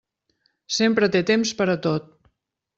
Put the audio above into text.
Sempre té temps per a tot.